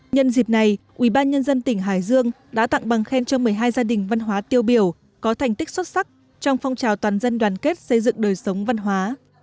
nhân dịp này ubnd tỉnh hải dương đã tặng bằng khen cho một mươi hai gia đình văn hóa tiêu biểu có thành tích xuất sắc trong phong trào toàn dân đoàn kết xây dựng đời sống văn hóa